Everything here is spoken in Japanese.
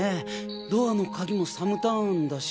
ドアの鍵もサムターンだし。